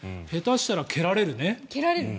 下手したら蹴られるね。